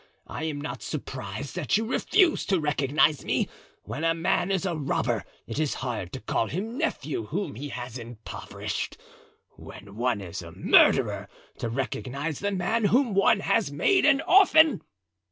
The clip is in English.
I am not surprised that you refused to recognize me. When a man is a robber it is hard to call him nephew whom he has impoverished; when one is a murderer, to recognize the man whom one has made an orphan."